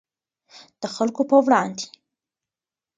د خلکو په وړاندې.